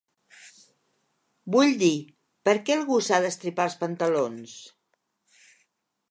Vull dir, per què algú s'ha d'estripar els pantalons?